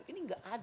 ini nggak ada